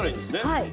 はい。